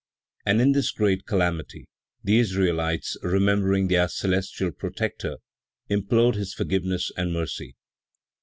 And in this great calamity, the Israelites, remembering their Celestial Protector, implored his forgiveness and mercy.